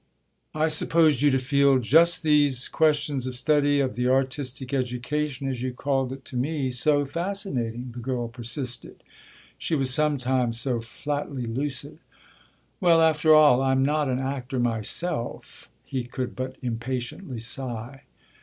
"I supposed you to feel just these questions of study, of the artistic education, as you've called it to me, so fascinating," the girl persisted. She was sometimes so flatly lucid. "Well, after all, I'm not an actor myself," he could but impatiently sigh.